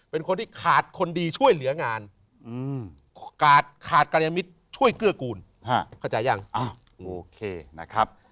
เป็นคนที่ขาดคนดีช่วยเหลืองานขาดขาดกรรณมิตรช่วยเกื้อกูลเข้าใจยังอ้าวโอเคนะครับ